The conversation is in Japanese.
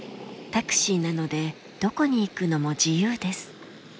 タクシーなのでどこに行くのも自由です。